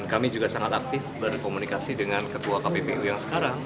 kami juga sangat aktif berkomunikasi dengan ketua kppu yang sekarang